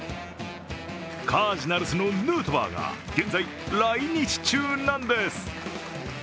カージナルスのヌートバーが現在、来日中なんです。